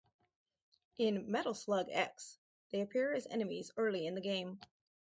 In "Metal Slug X" they appear as enemies early in the game.